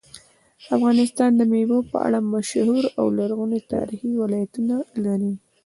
افغانستان د مېوو په اړه مشهور او لرغوني تاریخی روایتونه لري.